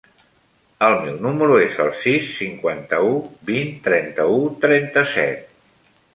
El meu número es el sis, cinquanta-u, vint, trenta-u, trenta-set.